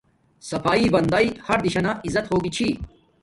صفایݵ بندݵ ہر دشانی عزت ہوگی چھی